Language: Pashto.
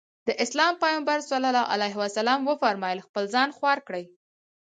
د اسلام پيغمبر ص وفرمايل خپل ځان خوار کړي.